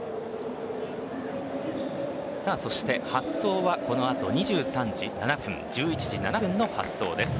そして発走はこの後、２３時７分１１時７分の発走です。